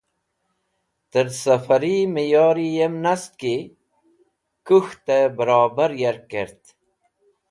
Tẽr sẽfari miyor yem nast ki kuk̃htẽ bẽrobar yark kert.